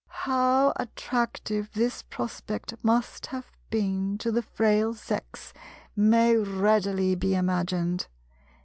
How attractive this prospect must have been to the Frail Sex may readily be imagined.